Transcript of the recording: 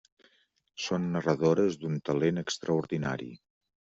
Són narradores d'un talent extraordinari.